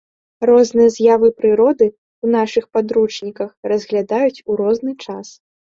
Розныя з'явы прыроды ў нашых падручніках разглядаюць у розны час.